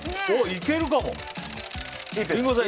いけるかも！